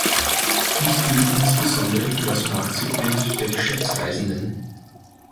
Dies gilt insbesondere für das Marktsegment der Geschäftsreisenden.